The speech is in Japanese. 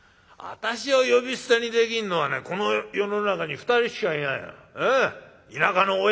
私を呼び捨てにできんのはねこの世の中に２人しかいないの。